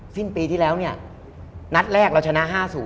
สิ้นปีที่แล้วเนี่ยนัดแรกเราชนะ๕๐